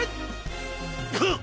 ハッ！